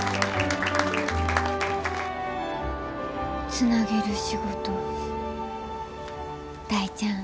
つなげる仕事大ちゃん。